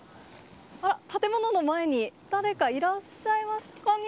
あら、建物の前に、誰かいらっしゃいます。